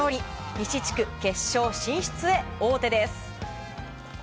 西地区決勝進出へ王手です。